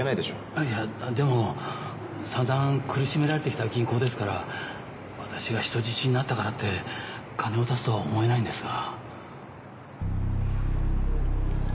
あっいやでもさんざん苦しめられてきた銀行ですから私が人質になったからって金を出すとは思えないんですが。